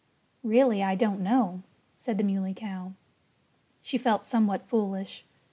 "Really, I don't know," said the Muley Cow. She felt somewhat foolish.